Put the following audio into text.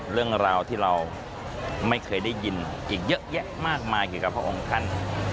เรื่องราวที่เราไม่เคยได้ยินอีกเยอะแยะมากมายเกี่ยวกับพระองค์ท่าน